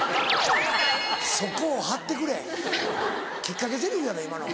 そこを張ってくれきっかけゼリフやろ今の。